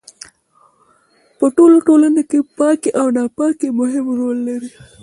په ټولو ټولنو کې پاکي او ناپاکي مهم رول لرلو.